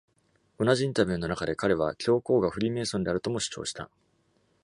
同じインタビューの中で、彼は教皇がフリーメーソンであるとも主張した。